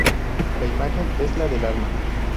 La imagen es la del alma.